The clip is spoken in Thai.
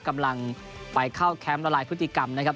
กำลังไปเข้าแคมป์ละลายพฤติกรรมนะครับ